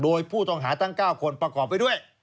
โดยผู้ต้องหาทั้ง๙คนประกอบไปด้วย